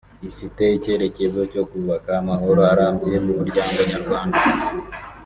Ifite icyerekezo cyo kubaka amahoro arambye mu muryango Nyarwanda